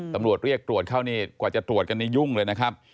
ตำรวจเรียกตรวจเข้านี่กว่าจะตรวจกันนี่ยุ่งเลยนะครับ